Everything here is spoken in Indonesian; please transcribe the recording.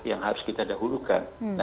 yang harus kita dahulukan